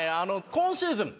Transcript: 今シーズン